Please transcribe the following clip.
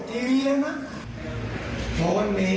ที่โบราณบริสเนยพยาแคร์